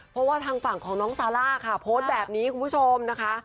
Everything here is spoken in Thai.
เพราะว่าทางฝั่งของน้องซาร่าค่ะโพสต์แบบนี้คุณผู้ชมนะคะ